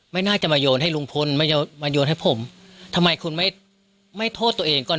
ไม่น่าจะมาโยนให้ลุงพลมาโยนให้ผมทำไมคุณไม่ไม่โทษตัวเองก่อน